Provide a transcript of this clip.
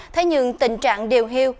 thế nhưng tình trạng điều hiu